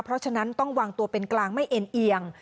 เพราะฉะนั้นต้องวางตัวเป็นกลางไม่เอ็นเอียง